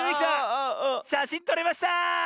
しゃしんとれました！